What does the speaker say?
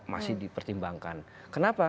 masih dipertimbangkan kenapa